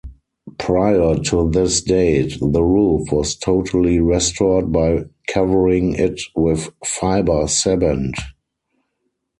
Prior to this date, the roof was totally restored by covering it with fiber cement.